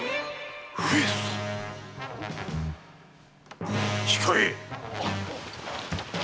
上様⁉控えい！